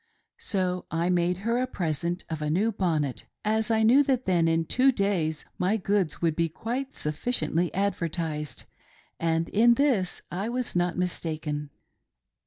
So I made her a present of a new bonnet, as I knew that then in two days my goods would be quite sufficiently advertised ; and in this I was not mistaken.